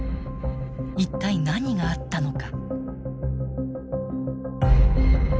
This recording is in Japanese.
一体何があったのか。